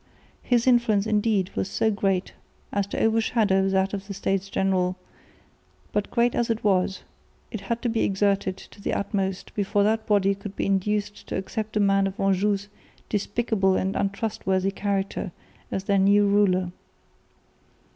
His influence indeed was so great as to over shadow that of the States General, but great as it was, it had to be exerted to the utmost before that body could be induced to accept a man of Anjou's despicable and untrustworthy character as their new ruler.